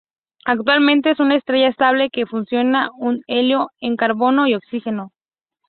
Actualmente es una estrella estable que fusiona su helio en carbono y oxígeno.